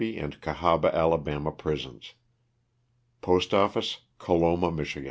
and Oahaba, Ala., prisons. Postoffice, Coloma, Mich. W. R.